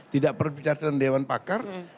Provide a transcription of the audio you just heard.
tidak pernah berbicara sama dewan pakar